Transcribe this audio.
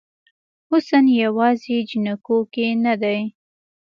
حسن یوازې جینکو کې نه دی